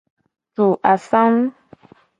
Tu asangu.